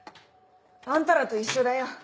あんたらと一緒だよ。